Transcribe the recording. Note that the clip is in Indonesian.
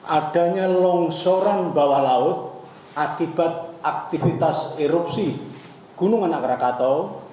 adanya longsoran bawah laut akibat aktivitas erupsi gunung anak rakatau